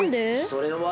それは。